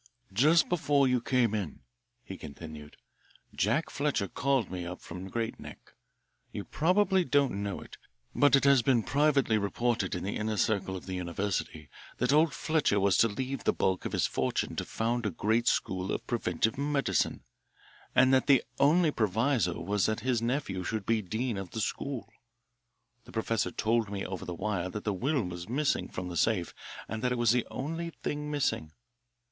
"Just before you came in," he continued, "Jack Fletcher called me up from Great Neck. You probably don't know it, but it has been privately reported in the inner circle of the University that old Fletcher was to leave the bulk of his fortune to found a great school of preventive medicine, and that the only proviso was that his nephew should be dean of the school. The professor told me over the wire that the will was missing from the safe, and that it was the only thing missing.